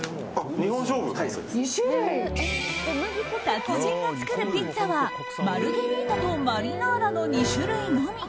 達人が作るピッツァはマルゲリータとマリナーラの２種類のみ。